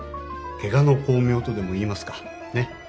「怪我の功名」とでもいいますかね。